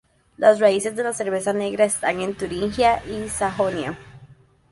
Las raíces de la cerveza negra están en Turingia y Sajonia.